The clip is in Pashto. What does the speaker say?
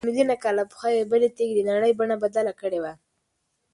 شپږ شپېته میلیونه کاله پخوا یوې بلې تېږې د نړۍ بڼه بدله کړې وه.